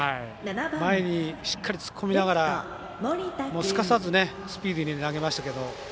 前にしっかり突っ込みながらすかさずスピーディーに投げましたけど。